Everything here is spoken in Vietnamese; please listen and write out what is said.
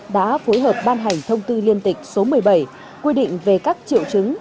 đã phối hợp ban hành thông tư liên tịch số một mươi bảy quy định về các triệu chứng